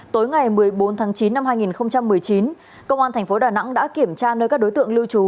tối ngày một mươi bốn tháng chín năm hai nghìn một mươi chín công an thành phố đà nẵng đã kiểm tra nơi các đối tượng lưu trú